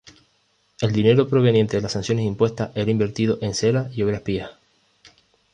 El dinero proveniente de las sanciones impuestas era invertido en cera y obras pías.